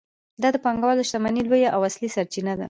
دا د پانګوال د شتمنۍ لویه او اصلي سرچینه ده